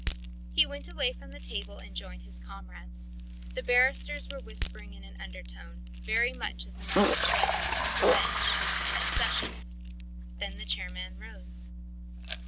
He went away from the table and joined his comrades. The barristers were whispering in an undertone, very much as the magistrates of the bench at sessions. Then the chairman rose.